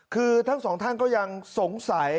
คือทั้งสองท่านก็ยังสงสัย